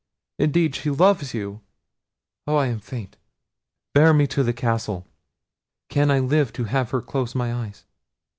Indeed she loves you! Oh, I am faint! bear me to the castle. Can I live to have her close my eyes?"